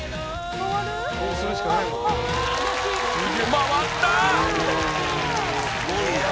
回った！